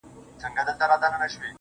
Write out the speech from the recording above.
په درست کلي کښې مې یار دی، هغه کس